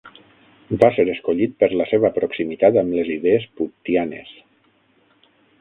Va ser escollit per la seva proximitat amb les idees puttianes.